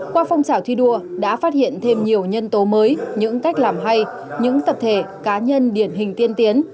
qua phong trào thi đua đã phát hiện thêm nhiều nhân tố mới những cách làm hay những tập thể cá nhân điển hình tiên tiến